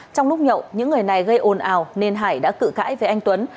trong lúc nhậu những người này gây ồn ào nên hải đã cự cãi với anh tuấn